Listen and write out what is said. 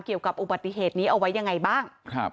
เกี่ยวกับอุบัติเหตุนี้เอาไว้ยังไงบ้าง